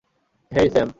হেই, Sam!